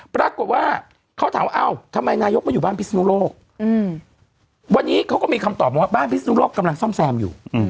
ปรากฏว่าเขาถามว่าเอ้าทำไมนายกมาอยู่บ้านพิศนุโลกวันนี้เขาก็มีคำตอบมาว่าบ้านพิศนุโลกกำลังซ่อมแซมอยู่